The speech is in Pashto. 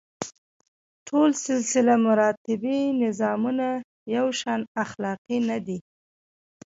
ټول سلسله مراتبي نظامونه یو شان اخلاقي نه دي.